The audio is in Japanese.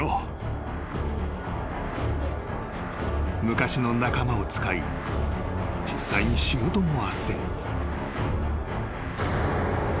［昔の仲間を使い実際に仕事も斡旋］